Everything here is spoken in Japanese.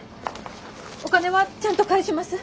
お金はちゃんと返します。